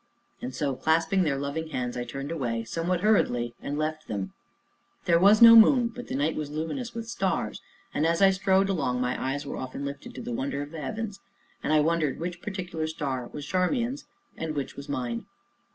And so, clasping their loving hands, I turned away, somewhat hurriedly, and left them. There was no moon, but the night was luminous with stars, and, as I strode along, my eyes were often lifted to the "wonder of the heavens," and I wondered which particular star was Charmian's and which mine.